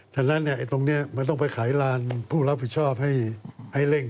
ฉะนั้นตรงนี้มันต้องไปขายลานผู้รับผิดชอบให้เร่ง